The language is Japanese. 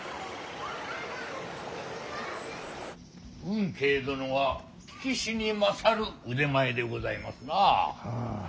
運慶殿は聞きしに勝る腕前でございますな。